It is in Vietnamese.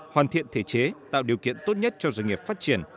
hoàn thiện thể chế tạo điều kiện tốt nhất cho doanh nghiệp phát triển